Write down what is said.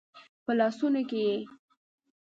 په لاسونو کې یې